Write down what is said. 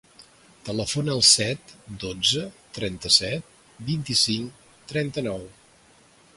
Telefona al set, dotze, trenta-set, vint-i-cinc, trenta-nou.